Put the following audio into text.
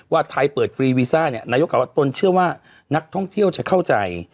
ว่าไทยเปิดฟรีวีซ่าเนี่ยนายกกลับว่าตนเชื่อว่านักท่องเที่ยวจะเข้าใจ